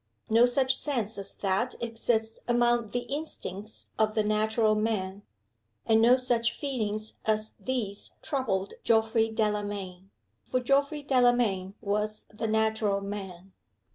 No such sense as that exists among the instincts of the natural man. And no such feelings as these troubled Geoffrey Delamayn; for Geoffrey Delamayn was the natural man.